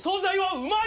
うまい！